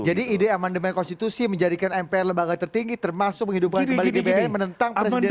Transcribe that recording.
jadi ide amandemen konstitusi menjadikan mpr lembaga tertinggi termasuk menghidupkan kembali gbn menentang presiden sialisme